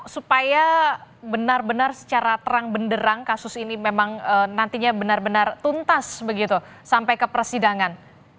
supaya benar benar secara terang benderang kasus ini memang nantinya benar benar tuntas begitu sampai ke persidangan